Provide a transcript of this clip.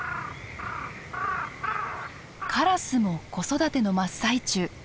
カラスも子育ての真っ最中。